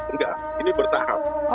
enggak ini bertahap